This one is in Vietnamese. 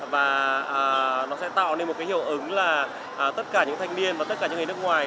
và nó sẽ tạo nên một cái hiệu ứng là tất cả những thanh niên và tất cả những người nước ngoài